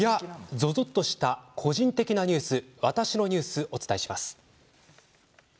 ゾゾゾッ！とした個人的なニュース「わたしのニュース」をお伝えします。